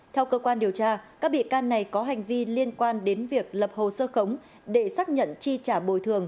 theo cơ quan điều tra các bị can này có hành vi liên quan đến việc lập hồ sơ khống để xác nhận chi trả bồi thường